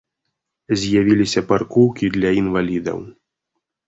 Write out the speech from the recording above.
З'явіліся паркоўкі для інвалідаў.